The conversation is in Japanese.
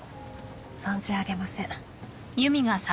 存じ上げません。